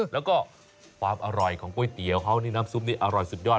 แล้วก็ความอร่อยของก๋วยเตี๋ยวเขานี่น้ำซุปนี่อร่อยสุดยอด